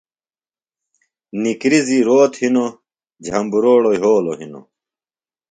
نِکرزیۡ روت ہِنوۡ جھمبروڑوۡ یھولوۡ ہِنوۡ